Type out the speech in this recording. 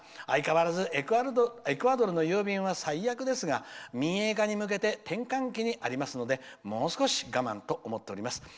相変わらずエクアドルの郵便は最悪ですが民営化に向けて転換期にありますのでもう少し我慢と思っております。